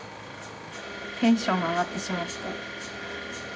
テンションが上がってしまって。